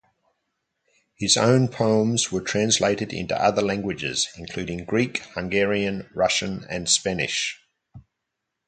His own poems were translated into other languages, including Greek, Hungarian, Russian and Spanish.